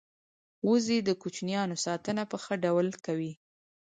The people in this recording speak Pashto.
وزې د کوچنیانو ساتنه په ښه ډول کوي